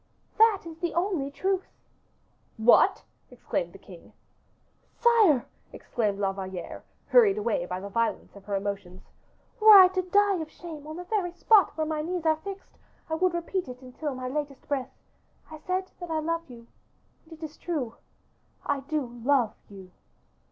"That is the only truth." "What!" exclaimed the king. "Sire," exclaimed La Valliere, hurried away by the violence of her emotions, "were I to die of shame on the very spot where my knees are fixed, I would repeat it until my latest breath; I said that I loved you, and it is true; I do love you."